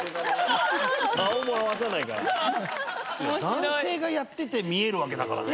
男性がやってて見えるわけだからね